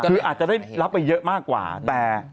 คืออาจจะได้รับไปเยอะมากกว่าแต่